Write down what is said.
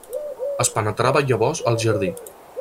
Es penetrava llavors al jardí.